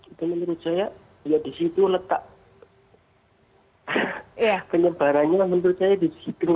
itu menurut saya ya di situ letak penyebarannya menurut saya di situ